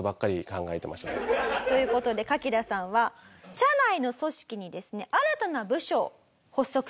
という事でカキダさんは社内の組織にですね新たな部署を発足させました。